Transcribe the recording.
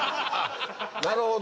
なるほど。